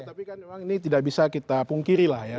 tapi kan memang ini tidak bisa kita pungkiri lah ya